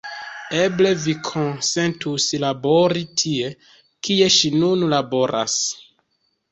Eble vi konsentus labori tie, kie ŝi nun laboras.